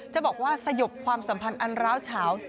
จะบอกว่าสยบความสัมพันธ์อันร้าวเฉา